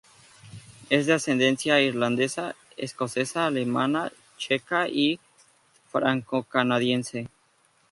Es de ascendencia irlandesa, escocesa, alemana, checa y francocanadiense.